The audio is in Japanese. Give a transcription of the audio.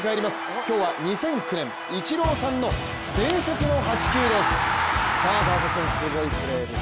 今日は２００９年、イチローさんの伝説の８球です。